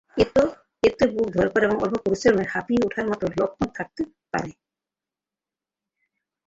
এতে বুক ধড়ফড় এবং অল্প পরিশ্রমে হাঁপিয়ে ওঠার মতো লক্ষণ থাকতে পারে।